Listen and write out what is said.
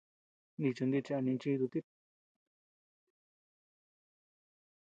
Nichid nichi a ninchii dutit.